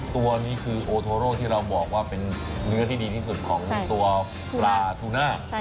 ตัวนี้คือโอโทโร่ที่เราบอกว่าเป็นเนื้อที่ดีที่สุดของตัวปลาทูน่า